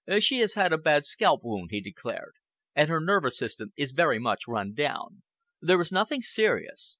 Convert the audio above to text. "She has had a bad scalp wound," he declared, "and her nervous system is very much run down. There is nothing serious.